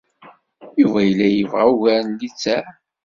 Yuba yella yebɣa ugar n littseɛ.